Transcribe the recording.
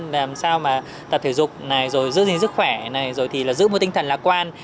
làm sao mà tập thể dục này rồi giữ gìn sức khỏe này rồi thì là giữ một tinh thần lạc quan